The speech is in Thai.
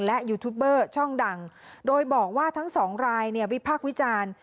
และยูทูบเบอร์ช่องดังโดยบอกว่าทั้งสองรายเนี่ยวิพากษ์วิจารณ์